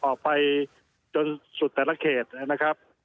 ออกไปจนสุดแต่ละเขตนะครับ